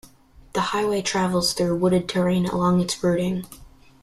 The highway travels through wooded terrain along its routing.